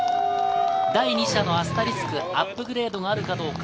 第２射のアスタリスク、アップグレードがあるかどうか？